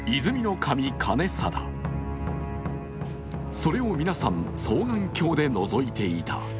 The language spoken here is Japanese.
それを皆さん、双眼鏡でのぞいていた。